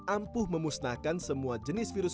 ampuh memusnahkan semua jenis virus